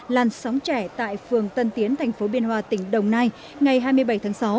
làn sóng trẻ tại phường tân tiến tp biên hòa tỉnh đồng nai ngày hai mươi bảy tháng sáu